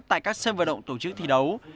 tại các sân vật động tổ chức thi đấu